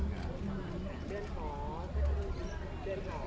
ครับผม